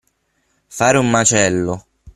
Fare un macello.